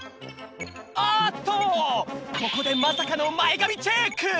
あっとここでまさかの前髪チェック！